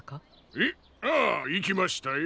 えっ？ああいきましたよ。